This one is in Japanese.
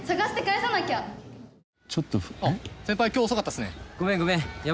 ごめんごめん。